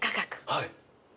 はい。